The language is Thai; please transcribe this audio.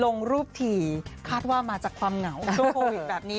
ลงรูปถี่คาดว่ามาจากความเหงาช่วงโควิดแบบนี้